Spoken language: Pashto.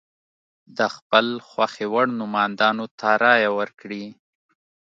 د خپل خوښې وړ نوماندانو ته رایه ورکړي.